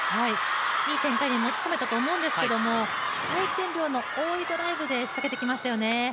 いい展開に持ち込めたと思うんですけれども、回転量の多いドライブで仕掛けてきましたよね。